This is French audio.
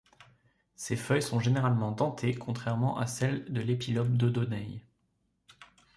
Ses feuilles sont généralement dentées contrairement à celles de l'épilobe dodonei.